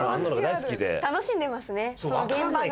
楽しんでますね。